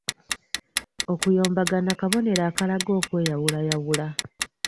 Okuyombagana kabonero akalaga okweyawulayawula.